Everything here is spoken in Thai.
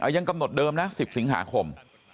ยังกำหนดเดิมนะ๑๐สิงหาคม